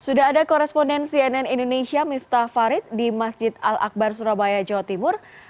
sudah ada koresponden cnn indonesia miftah farid di masjid al akbar surabaya jawa timur